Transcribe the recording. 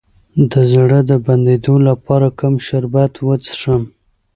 د زړه د بندیدو لپاره کوم شربت وڅښم؟